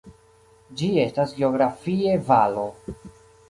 Ĝi estas geografie valo.